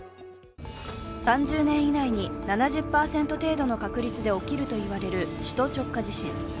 ３０年以内に７０％程度の確率で起きると言われる首都直下地震。